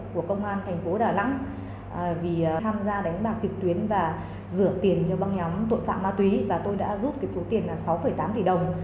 của công an thành phố đà nẵng vì tham gia đánh bạc trực tuyến và rửa tiền cho băng nhóm tội phạm ma túy và tôi đã rút cái số tiền là sáu tám tỷ đồng